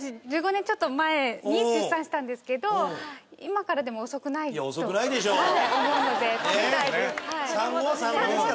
１５年ちょっと前に出産したんですけど今からでも遅くないとはい思うので食べたいです